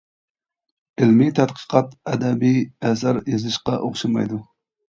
ئىلمىي تەتقىقات ئەدەبىي ئەسەر يېزىشقا ئوخشىمايدۇ.